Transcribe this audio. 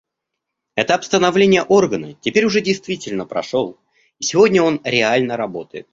Этап становления Органа теперь уже действительно прошел, и сегодня он реально работает.